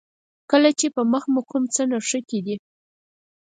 کله چې په مخ مو کوم څه نښتي دي.